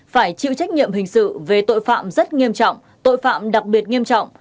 phải chịu trách nhiệm hình sự về tội phạm rất nghiêm trọng tội phạm đặc biệt nghiêm trọng